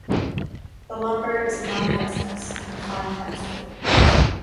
The lumber is non-resinous and fine textured.